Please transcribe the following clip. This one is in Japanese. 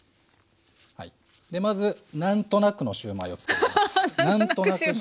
でまず何となくのシューマイをつくります。